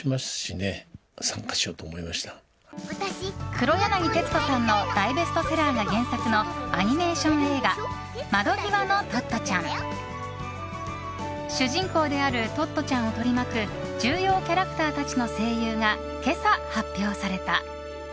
黒柳徹子さんの大ベストセラーが原作のアニメーション映画「窓ぎわのトットちゃん」。主人公であるトットちゃんを取り巻く重要キャラクターたちの声優が今朝、発表された。